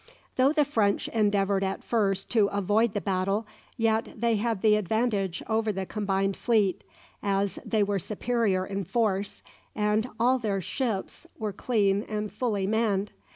Though the French endeavoured at first to avoid the battle, yet they had the advantage over the combined fleet, as they were superior in force, and all their ships were clean and fully manned.